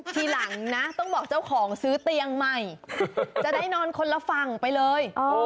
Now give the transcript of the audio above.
ทีหลังนะต้องบอกเจ้าของซื้อเตียงใหม่จะได้นอนคนละฝั่งไปเลย